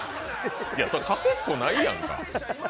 勝てっこないやんか。